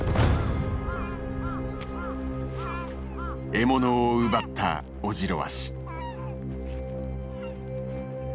獲物を奪ったオジロワシ。